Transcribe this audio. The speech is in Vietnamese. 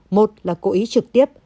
một là cố ý trực tiếp